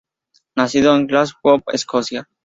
Nacido en Glasgow, Escocia.